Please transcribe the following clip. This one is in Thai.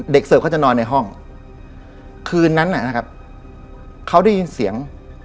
เสิร์ฟเขาจะนอนในห้องคืนนั้นนะครับเขาได้ยินเสียง